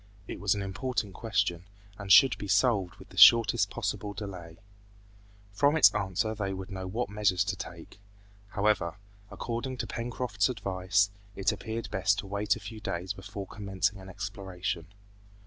It was an important question, and should be solved with the shortest possible delay. From its answer they would know what measures to take. However, according to Pencroft's advice, it appeared best to wait a few days before commencing an exploration.